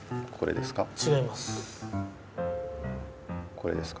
これですか？